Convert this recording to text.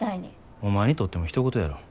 お前にとってもひと事やろ。